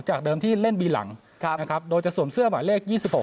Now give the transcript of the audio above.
จากเดิมที่เล่นบีหลังโดยจะสวมเสื้อหมายเลข๒๖